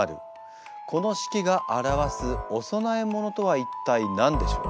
この式が表すお供え物とは一体何でしょう？